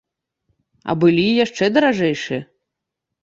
А былі і яшчэ даражэйшыя.